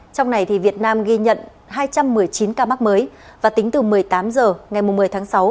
trong này việt nam ghi nhận hai trăm một mươi chín ca mắc mới và tính từ một mươi tám h ngày một mươi tháng sáu